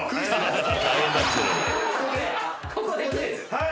はい！